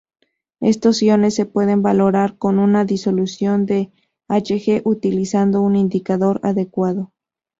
Estos iones se pueden valorar con una disolución de Hg utilizando un indicador adecuado.